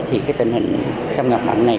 thì cái tình hình xâm mặn mặn này